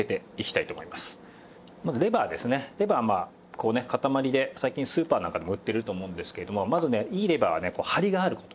こうね塊で最近スーパーなんかでも売ってると思うんですけれどもまずねいいレバーはねこうハリがある事。